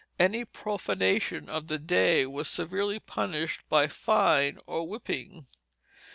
Any profanation of the day was severely punished by fine or whipping.